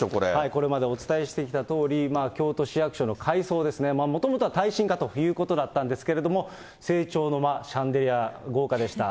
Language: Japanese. これまでお伝えしてきたとおり、京都市役所の改装ですね、もともとは耐震化ということだったんですけれども、正庁の間、シャンデリア、豪華でした。